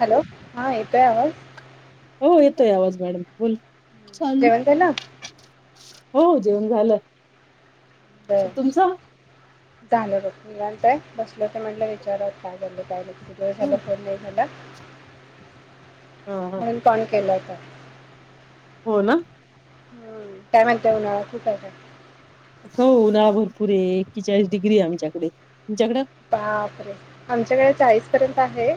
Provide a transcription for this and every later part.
Hello हा येतोय आवाज हो येतोय आवाज मॅडम बोला जेवण झालं? हो जेवण झालं. बर तुमच झालं बघ निवांत आहे बसले तर म्हटलं विचाराव काय झालं काय नाही. सगळ झालं हा फोन नाय झालं. हा म्हणून कॉल केला. [inaudible] हो ना. काय म्हणता उन्हाळा, खूप आहे ना. हो उन्हाळा भरपूर हे एकेचाळीस डिग्री आहे आमच्याकडे. बापरे, आमच्याकडे चाळीस [unintelligible] आहे.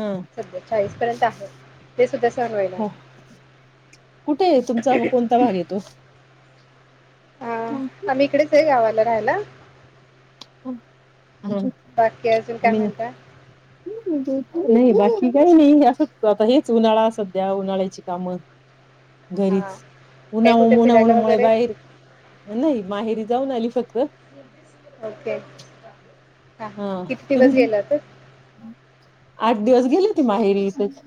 हा सध्या चाळीस पर्यंत आहे, ते सुद्धा सहन होईना हो आता. कुठे आहे तुमचा कोणता भाग येतो हा आम्ही इकडेच आहे गावाात. मं राहायला. [inaudible] बाकी अजून काय म्हणता. नही बाकी काही नाही, असंच आता हेच उन्हाळा सध्या उन्हाळ्याची कामं. हां घरीच काय उन्हा, कुठे उन्हा, फिरायला उन्हामुळ वगैरे बाहेर, नही माहेरी. जाऊन आली फक्त. ओके. हा हा किती दिवस गेला होतात. आठ दिवस गेली होती, माहेरी इथच.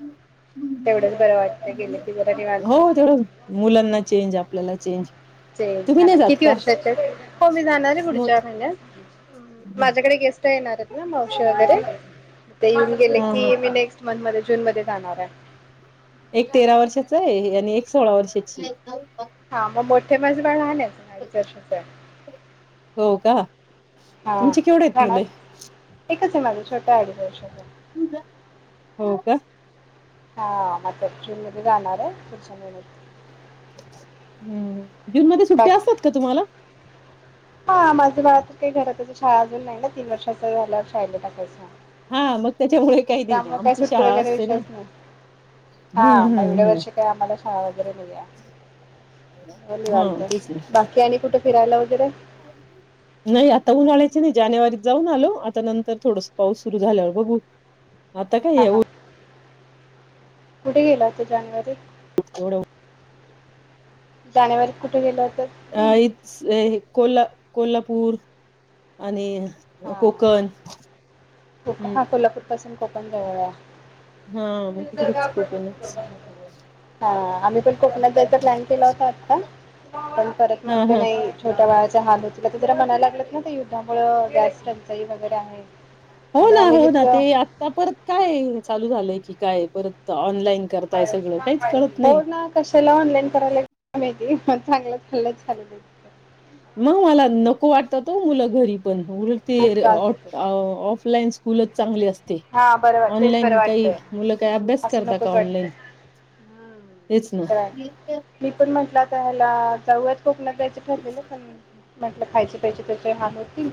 तेवढंच बरं वाटत, गेल की जरा निवांत हो होत. तेवढं मुलांना चेंज आपल्याला चेंज. ते तुम्ही झाला नाही जात किती का वर्षाच्या, हो मी जाणारय पुढच्या महिन्यात. मग माझ्याकडे गेस ते येणारयेत ना मावशी वगैरे. ते येऊन गेले की हा मी नेक्स्ट मन मध्ये जूनमध्ये जाणाराय. तेरा वर्षाचाय आणि एक सोळा वर्षाची. हा म मठ. ते माज बाळ लहानय. अडीच वर्षाचाय. हो का तुमचे केवढेयेत मुले. माझा छोटाय अडीच वर्षाचा. हो का? हा म आता जूनमध्ये जाणारय, पुढच्या महिन्यात. हूं जूनमध्ये सुट्टया बाकी असतात का तुम्हाला हा माझ बाळ आता काय घरातच ये शाळा अजून नाय न तीन वर्षाचा झाल्या शाळेला टाकायचा. हा मग त्याच्यामुळे काही नाही त्यामूळ काय आमची सुट्टी शाळा वगैरे असते ना विषयच नाही हा हम्म मग एवढ हम्म हम्म वर्षी काय आम्हाला शाळा वगैरे नाहीये. मं हा निवांत तेच ना बाकी आणि कुठ फिरायला वगैरे नाही आता उन्हाळयाच नाही जानेवारीत जाऊन आलो आता नंतर थोडस पाऊस सुरू झाल्यावर बघू आता काय हां ह्या उ हां. कुठे गेला होता जानेवारी [unintelligible] जानेवारीत कुठे गेल हो आई च ए हे कोला कोल्हापूर आणि हा कोकण हा हम्म कोल्हापूर पासून हे पण जवळया हा म तिकडच कोकणच हां आम्ही पण कोकणात जायचा प्लॅन केला होता, आता पण परत हा म्हटलं हा नाही छोट्या बाळाचा झालं तुला ते जरा म्हणाला लाग ना युद्धामुळ गॅस टंचाई वगैरे आहे. हो आणि ना आम्ही हो ना जिथं ते आता परत काय चालू झालंय ठी काय परत ऑनलाईन करताय सगळं काहीच कळत हो नाही ना कशाला ऑनलाईन करायला काय माहिती चांगलं चाललंय चालू दे म मला नको वाटतात ओ मुलं घरी पण उलट ते खूप त्रास देतो. ऑट ऑ ऑफ ऑफलाईन्स स्कूलच चांगली अस ते हां बरं वाट तेच बरं ऑनलाईन काही वाटतंय. मुलं काही अभ्यास असं करता का नकोच वाटतंय. ऑनलाईन? तेच ते ना पाय मी पण म्हंटल त्या ह्याला जाऊ कोकणात जायचे ठरलेलं पण म्हटलं खायचे प्यायचे त्याच्या हाल होतील.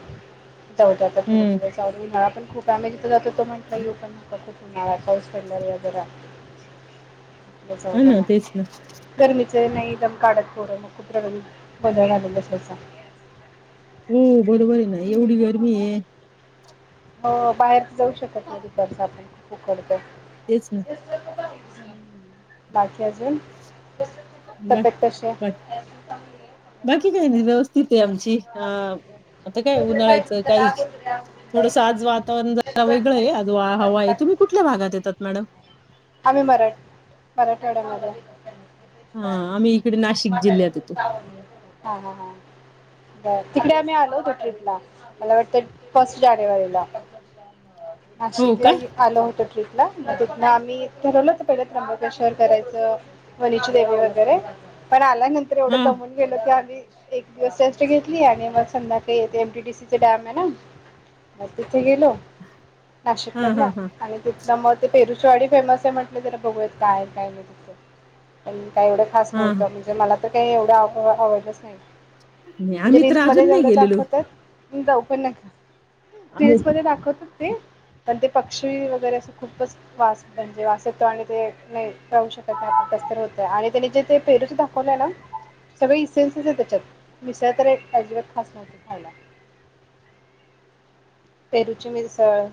जाऊदे आता थोडं हम्म दिवस जाऊ दे उन्हाळा पण खूप आम्ही जिथं जातो तो म्हणतोय येवू पण नका तु म्हाला पाऊस पडल्यावर जरा [inaudible] हा ना समजना. तेच ना गरमीचं हाय नाही. [inaudible] हो बरोबर आहे ना, एवढी गर्मी आहे. हो बाहेर जाऊ शकत नाही तिथं आता आपण उकड तेच ना. बा मग कशी आहे? [inaudible] बाकी काय नाही व्यवस् थित आहे आमची. अ आता काय उन्हाळ्याचं काही थोडसं आज वातावरण जरा वेगळं आहे, आज वा हवा आहे. तुम्ही कुठल्या भागात येतात मॅडम? आम्ही मराठ मराठवाड्यामध्ये हाय. हा, आम्ही इकडे नाशिक जिल्ह्यात येतो. बर तिकडे आम्ही आलो होतो ट्रीपला, मला वाटतं फर्स्ट जानेवारीला. हो का? नाशिकलाही आलो होतं ट्रिप तिथनं आम्ही ठरवलं होतं पहिलं त्र्यंबकेश्वर करायचं, वनीची देेवी वगैरे. पण आल त्यानंतर हा एवढं दमून गेलो की आम्ही एक दिवस रेस्ट घेतली आणि मग संध्याकाळी येथे एमटीडीसीचं डॅम आहे ना, ति थे गेलो हा हा नाशिकमधल्या. हा आणि ती त्यामुळं ते पेरुची वाडी फेमस ते म्हटलेत चला बघूयात काय आहे, काय नाही तिथं आणि काय एवढं खास हा नव्हतं, म्हणजे मला ते एवढं आव आवडलच नाही. नाही, आम्ही तर अजून नाही गेलेलो. जाऊपण नका. हो पेजमध्ये दाखवतात ते, पण ते पक्षी वगैरे असं खूपच वाज म्हणजे वाज तो आणि ते नाही राहू शकत नाही आपण कसंतरी होतंय आणि त्यांनी जे ते पेरूचं दाखवल्यालं, सगळे इसेनसली आहे त्याच्यात. मिसळ तर एक अजिबात खास नव्हती खायला. पेरूची मिसळ